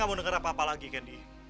saya gak mau denger apa apa lagi ken di